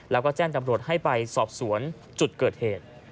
แล้วก็แจ้งจำรวจให้ไปสอบสวนจุดเกิดเหตุ